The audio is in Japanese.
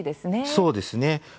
そうですね。